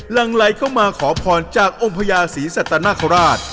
ลังไหลเข้ามาขอพรจากองค์พระยาศีสัตว์นาคาราช